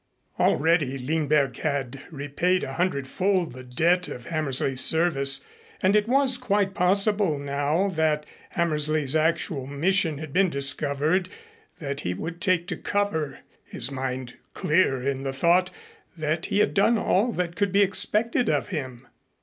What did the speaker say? Already Lindberg had repaid a hundredfold the debt of Hammersley's service and it was quite possible, now that Hammersley's actual mission had been discovered, that he would take to cover, his mind clear in the thought that he had done all that could be expected of him.